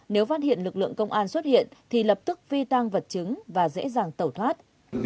nếu phát hiện lực lượng công an xuất hiện thì lập tức phi tăng vật chứng và dễ dàng tẩu thoát